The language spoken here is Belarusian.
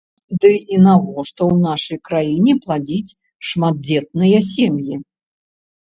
Ды і навошта ў нашай краіне пладзіць шматдзетныя сем'і?